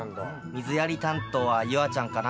水やり担当は夕空ちゃんかな？